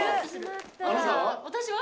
私は？